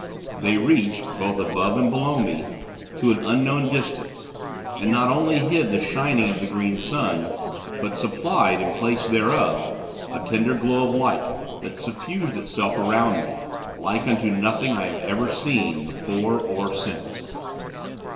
They reached, both above and below me, to an unknown distance; and, not only hid the shining of the Green Sun; but supplied, in place thereof, a tender glow of light, that suffused itself around me, like unto nothing I have ever seen, before or since.